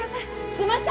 出ました